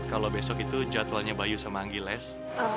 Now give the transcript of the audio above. kalau besok itu jadwalnya bayu sama anggi les